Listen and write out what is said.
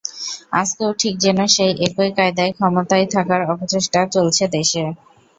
আজকেও ঠিক যেন সেই একই কায়দায় ক্ষমতায় থাকার অপচেষ্টা চলছে দেশে।